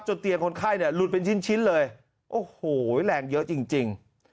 เตียงคนไข้เนี่ยหลุดเป็นชิ้นเลยโอ้โหแรงเยอะจริง